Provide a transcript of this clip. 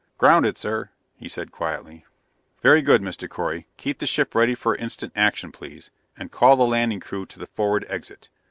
"Grounded, sir," he said quietly. "Very good, Mr. Correy. Keep the ship ready for instant action, please, and call the landing crew to the forward exit.